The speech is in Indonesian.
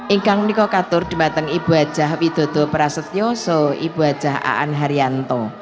ingkang nikokatur dibateng ibu aja widodo prasetyoso ibu aja aan haryanto